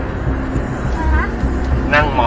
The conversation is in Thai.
กลับมาเมื่อเวลาอันดับสุดท้าย